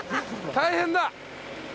大変だ！